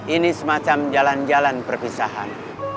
ini semacam jalan jalan perpisahan